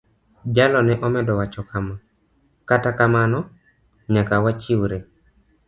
Jalo ne omedo wacho kama: "Kata kamano, nyaka wachiwre.